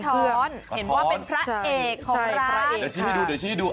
เห็นว่าเป็นพระเอกของร้านใช่พระเอกค่ะเดี๋ยวชิคกี้พายดูเดี๋ยวชิคกี้พายดู